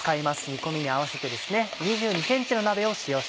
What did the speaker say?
煮込みに合わせてですね。